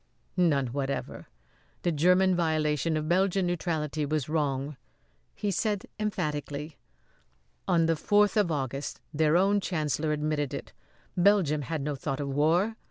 "None whatever! The German violation of Belgian neutrality was wrong," he said emphatically. "On the fourth of August their own chancellor admitted it. Belgium had no thought of war.